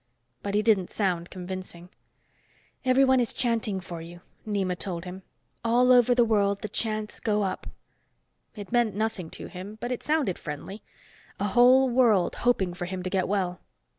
But he didn't sound convincing. "Everyone is chanting for you," Nema told him. "All over the world, the chants go up." It meant nothing to him, but it sounded friendly. A whole world hoping for him to get well!